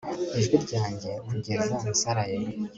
ijwi ryanjye kugeza nsaraye